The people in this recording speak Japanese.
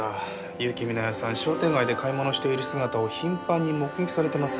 結城美奈世さん商店街で買い物している姿を頻繁に目撃されてます。